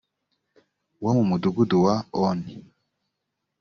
wo mu mudugudu wa oni